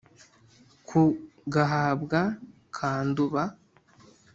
Ku Gahabwa ka Nduba